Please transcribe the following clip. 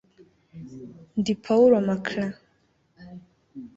ndi pawulo maclain